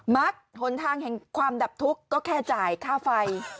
มักหนทางแห่งความดับทุกข์ก็แค่จ่ายค่าไฟ